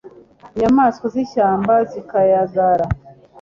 inyamaswa z'ishyamba zikayagara